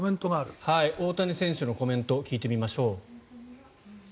大谷選手のコメント聞いてみましょう。